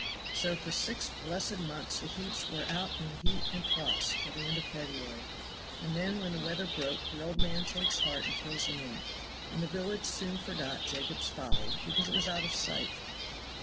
So for six blessed months the heaps were out in the heat and frost till the end of February, and then when the weather broke the old man takes heart and fills them in, and the village soon forgot 'Jacobs' Folly' because it was out of sight.